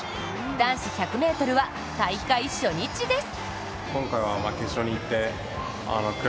男子１００ｍは大会初日です！